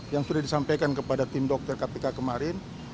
yang sudah disampaikan kepada tim dokter kpk kemarin